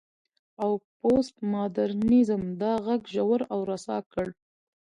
او پوسټ ماډرنيزم دا غږ ژور او رسا کړ.